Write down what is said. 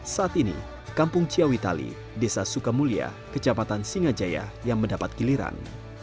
saat ini kampung ciawitali desa sukamulia kecamatan singajaya yang mendapat giliran